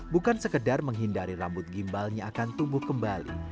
bukan sekedar menghindari rambut gimbalnya akan tumbuh kembali